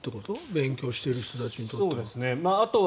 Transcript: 勉強している人たちにとっては。